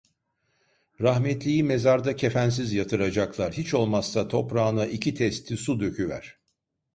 Rahmetliyi mezarda kefensiz yatıracaklar, hiç olmazsa toprağına iki testi su döküver…